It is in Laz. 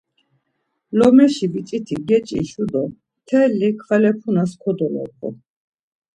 Lomeşi biç̌iti geç̌işu do mteli kvalepunas kodolobğu.